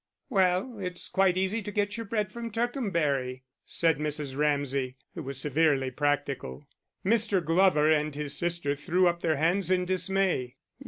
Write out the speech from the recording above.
"Well, it's quite easy to get your bread from Tercanbury," said Mrs. Ramsay, who was severely practical. Mr. Glover and his sister threw up their hands in dismay.